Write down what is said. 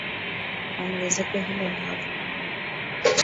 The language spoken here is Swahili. Kwa ongezeko hilo la watu kwa mwaka